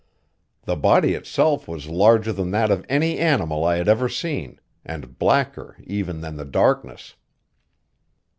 The body itself was larger than that of any animal I had ever seen, and blacker even than the darkness.